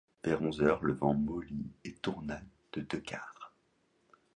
Vers onze heures, le vent mollit et tourna de deux quarts.